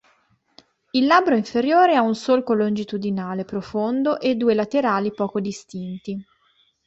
Il labbro inferiore ha un solco longitudinale profondo e due laterali poco distinti.